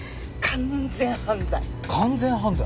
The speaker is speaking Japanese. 完全犯罪。